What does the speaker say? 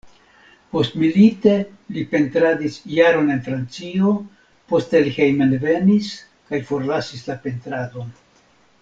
Postmilite li pentradis jaron en Francio, poste li hejmenvenis kaj forlasis la pentradon.